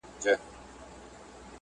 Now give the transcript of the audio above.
مرحوم سرکی کمال